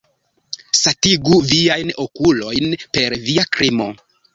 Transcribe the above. Satigu viajn okulojn per via krimo.